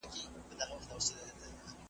په هوا تللې جوپې د شاهینانو .